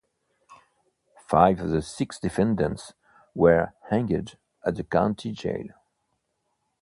Five of the six defendants were hanged at the county jail.